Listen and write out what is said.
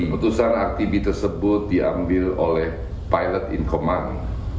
keputusan aktivis tersebut diambil oleh pilot in command